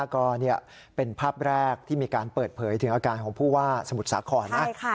ก็เป็นภาพแรกที่มีการเปิดเผยถึงอาการของผู้ว่าสมุทรสาขอติดเชื้อโควิด๑๙๒๘ธันวาคม